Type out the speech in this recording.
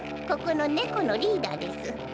ここの猫のリーダーです。